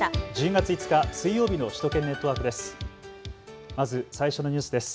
１０月５日水曜日の首都圏ネットワークです。